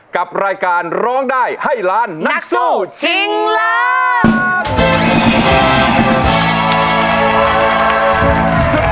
กับรายการร้องได้ให้ล้านนักสู้ชิงล้าน